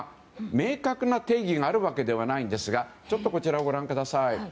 明確な定義があるわけではないんですがこちらをご覧ください。